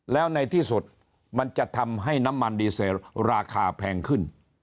แล้วในที่สุดมันจะทำให้น้ำมันดีเซลราคาแพงขึ้น